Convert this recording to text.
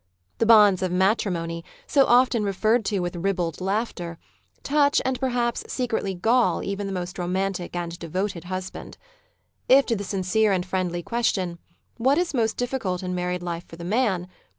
The "bonds of matrimony," so often referred to with ribald laughter, touch, and perhaps secretly gal); even the most romantic and devoted husband. If to the sincere and friendly question :" What is most difficult in married life for the man.?